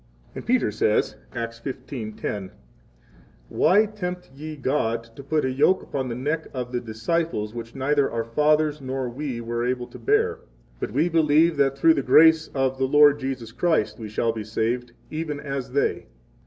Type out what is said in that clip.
And Peter says, Acts 15:10: Why 27 tempt ye God to put a yoke upon the neck of the disciples, which neither our fathers nor we were able to bear? But we believe that through the grace of the Lord Jesus Christ 28 we shall be saved, even as they.